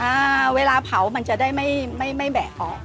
อ่าเวลาเผามันจะได้ไม่ไม่แบกออก